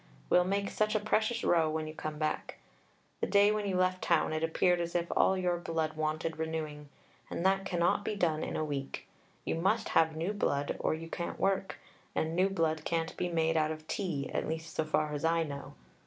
We'll make such a precious row when you come back. The day you left town it appeared as if all your blood wanted renewing, and that cannot be done in a week. You must have new blood, or you can't work, and new blood can't be made out of tea, at least so far as I know.